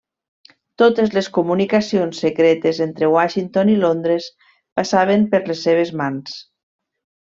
Totes les comunicacions secretes entre Washington i Londres passaven per les seves mans.